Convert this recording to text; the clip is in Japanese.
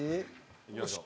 いきましょう。